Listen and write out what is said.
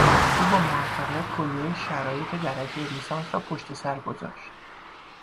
او با موفقیت کلیهی شرایط درجه لیسانس را پشتسر گذاشت.